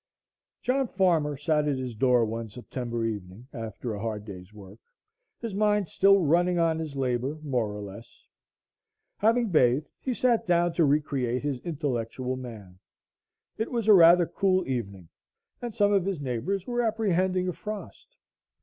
John Farmer sat at his door one September evening, after a hard day's work, his mind still running on his labor more or less. Having bathed, he sat down to re create his intellectual man. It was a rather cool evening, and some of his neighbors were apprehending a frost.